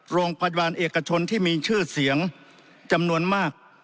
โรงพยาบาลเอกชนที่มีชื่อเสียงจำนวนมาก